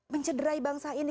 mencederai bangsa ini